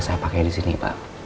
gak pernah saya pakai disini pak